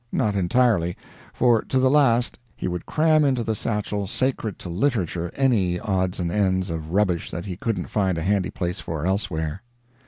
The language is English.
Not entirely; for, to the last, he would cram into the satchel sacred to literature any odds and ends of rubbish that he couldn't find a handy place for elsewhere.